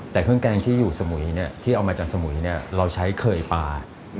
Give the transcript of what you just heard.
แต่เครื่องแกงที่อยู่สมุยที่เอามาจากสมุยเราใช้เคยปลา